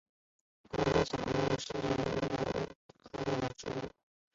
黄香草木樨是一种豆科植物。